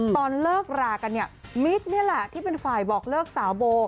ตอนเลิกรากันเนี่ยมิกนี่แหละที่เป็นฝ่ายบอกเลิกสาวโบ